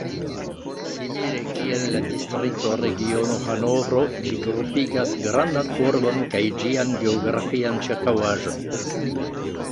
Simile kiel la Distrikto Regiono Hanovro, ĝi grupigas grandan urbon kaj ĝian geografian ĉirkaŭaĵon.